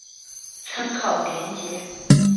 参考连结